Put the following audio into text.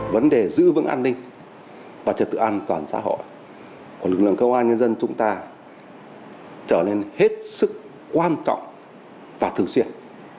vấn đề giữ vững an ninh và trật tự an toàn xã hội của lực lượng công an nhân dân chúng ta trở nên hết sức quan trọng và thường xuyên